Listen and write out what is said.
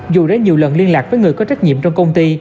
dù đã nhiều lần liên lạc với người có trách nhiệm trong công ty